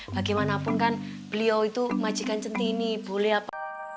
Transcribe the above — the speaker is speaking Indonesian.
bagaimanapun kan beliau itu majikan centini boleh apa